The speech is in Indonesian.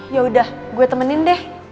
yaudah gue temenin deh